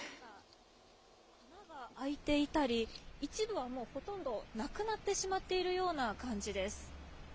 穴が開いていたり、一部はもうほとんど、なくなってしまっているような感じです。